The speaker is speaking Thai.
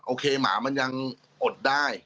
โอเคหมามันยังอดได้